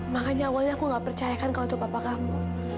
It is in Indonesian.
makanya awalnya aku gak percayakan kalau itu papa kamu